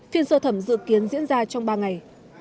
phiên sơ thẩm dự kiến diễn ra trong ba ngày